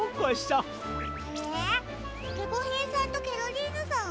ゲコヘイさんとケロリーヌさんは？